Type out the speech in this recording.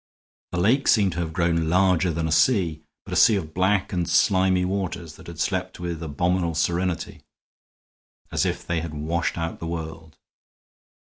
The lake seemed to have grown larger than a sea, but a sea of black and slimy waters that slept with abominable serenity, as if they had washed out the world.